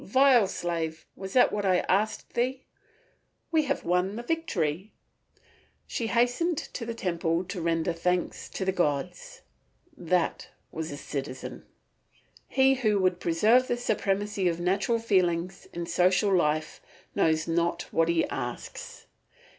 "Vile slave, was that what I asked thee?" "We have won the victory." She hastened to the temple to render thanks to the gods. That was a citizen. He who would preserve the supremacy of natural feelings in social life knows not what he asks.